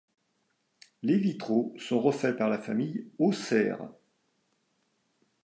Les vitraux sont refaits par la famille Haussaire.